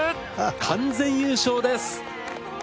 完全優勝です。